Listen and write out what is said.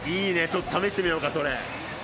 ちょっと試してみようか。